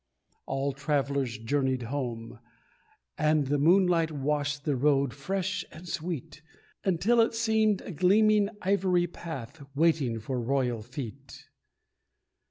All travellers journeyed home, and the moonlight Washed the road fresh and sweet, Until it seemed a gleaming ivory path, Waiting for royal feet.